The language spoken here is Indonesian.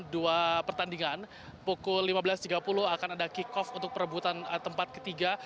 dua pertandingan pukul lima belas tiga puluh akan ada kick off untuk perebutan tempat ketiga